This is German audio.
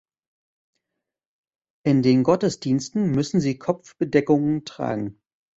In den Gottesdiensten müssen sie Kopfbedeckungen tragen.